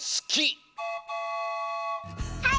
はい！